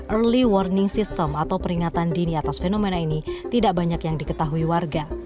early warning system atau peringatan dini atas fenomena ini tidak banyak yang diketahui warga